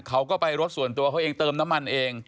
เขาก็ไปรถส่วนตัวเขาเองเติมน้ำมันเอง